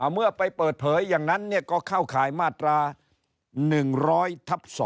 เมื่อไปเปิดเผยอย่างนั้นก็เข้าข่ายมาตรา๑๐๐ทับ๒